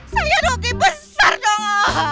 saya rugi besar dong